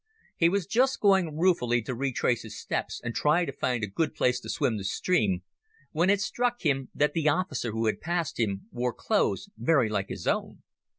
He was just going ruefully to retrace his steps and try to find a good place to swim the stream when it struck him that the officer who had passed him wore clothes very like his own.